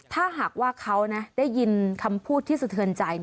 ถ้าหากว่าเขาได้ยินคำพูดที่สะเทือนใจ